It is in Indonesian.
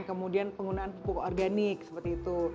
kemudian penggunaan pupuk organik seperti itu